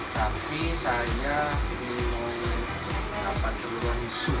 tapi saya ingin dapat telur misu